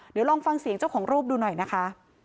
เดี๋ยวลองฟังเสียงเจ้าของรูปดูหน่อยนะคะ